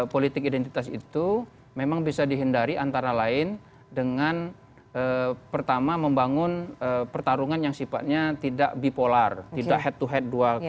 politik identitas itu memang bisa dihindari antara lain dengan pertama membangun pertarungan yang sifatnya tidak bipolar tidak head to head